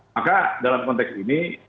maka dalam konteks ini